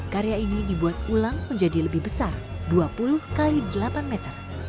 karya ini dibuat ulang menjadi lebih besar dua puluh x delapan meter